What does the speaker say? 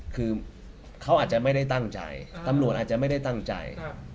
คือเขาอาจจะไม่ได้ตั้งใจตำรวจอาจจะไม่ได้ตั้งใจ